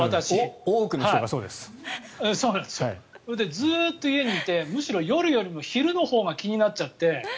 ずっと家にいてむしろ夜よりも昼のほうが気になっちゃって。